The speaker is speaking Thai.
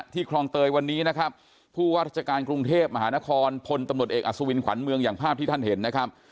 คลองเตยวันนี้นะครับผู้ว่าราชการกรุงเทพมหานครพลตำรวจเอกอัศวินขวัญเมืองอย่างภาพที่ท่านเห็นนะครับ